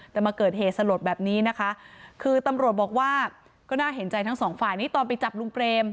แต่มาเกิดเหตุสลดแบบนี้นะคะคือตำรวจบอกว่าก็น่าเห็นใจทั้งสองฝ่ายนี้ตอนไปจับลุงเปรม